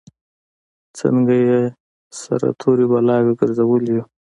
څنګه یې سره تورې بلاوې ګرځولي یو.